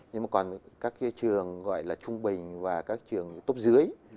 nhưng mà còn các trường gọi là trung bình và các trường tốt dưới